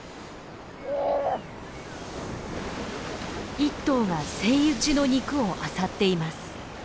１頭がセイウチの肉をあさっています。